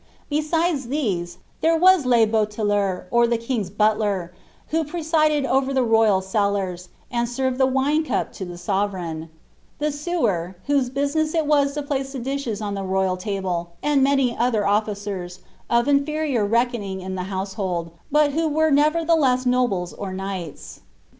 Besides these, there were le ioteUr^ or the king^s butler, who presided over the royal cellars, and served the wine cup to the sovereign ; the sewer, whose business it was to place the dishes on the royal taUe ; and many other officers, of infe rior reckoning in the housenold, but who were nevertheless nobles or knights.